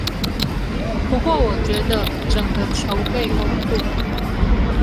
不過我覺得，整個籌備工作